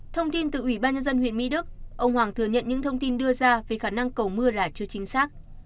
thông tin từ ủy ban nhân dân huyện mỹ đức ông hoàng thừa nhận những thông tin đưa ra về khả năng cầu mưa là chưa chính xác